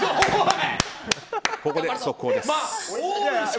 ここで速報です。